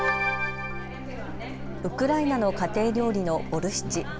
ウクライナの家庭料理のボルシチ。